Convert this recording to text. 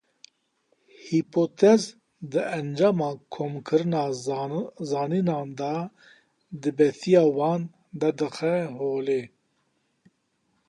Hîpotez di encama komkirina zanînan de, dibetiya wan derdixe holê.